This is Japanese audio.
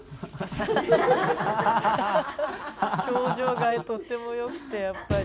表情がとってもよくてやっぱり。